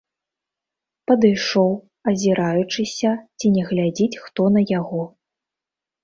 Падышоў, азіраючыся, ці не глядзіць хто на яго.